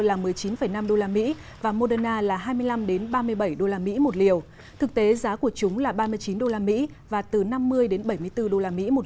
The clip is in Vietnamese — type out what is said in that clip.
là một mươi chín năm usd và moderna là hai mươi năm ba mươi bảy usd một liều thực tế giá của chúng là ba mươi chín usd và từ năm mươi bảy mươi bốn usd một